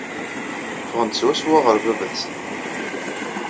Ffɣen-d swaswa ɣer baba-tsen.